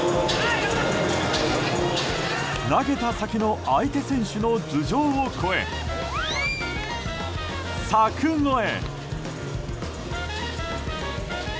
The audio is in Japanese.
投げた先の相手選手の頭上を越え柵越え！